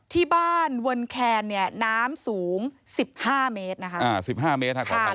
ที่บ้านเวิร์นแครน้ำสูง๑๕เมตร